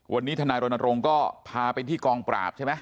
วันนี้ทนายรณรงค์ก็พาไปที่กองปราบใช่ไหม